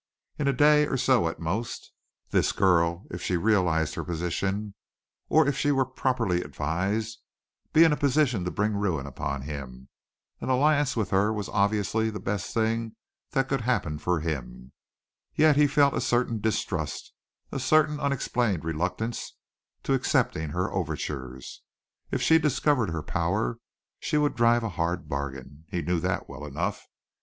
In a day or so at most, this girl might, if she realized her position, or if she were properly advised, be in a position to bring ruin upon him. An alliance with her was obviously the very best thing that could happen for him. Yet he felt a certain distrust, a certain unexplained reluctance to accepting her overtures. If she discovered her power, she would drive a hard bargain he knew that well enough.